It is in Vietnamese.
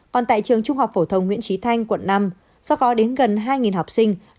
còn tại trường trung học phổ thông nguyễn trí thanh quận năm do có đến gần hai học sinh